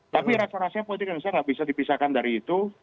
tapi rasa rasanya politik indonesia nggak bisa dipisahkan dari itu